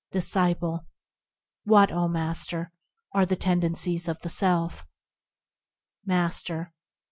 Disciple. What, O Master! are the tendencies of the self ? Master.